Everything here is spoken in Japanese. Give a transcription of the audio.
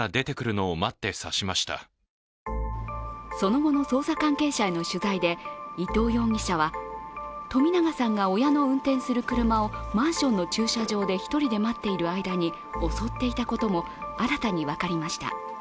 その後の捜査関係者への取材で伊藤容疑者は、冨永さんが親の運転する車をマンションの駐車場で１人で待っている間に襲っていたことも新たに分かりました。